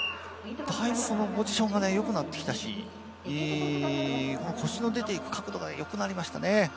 だいぶポジションが良くなってきたし腰の出ていく角度がよくなりましたね。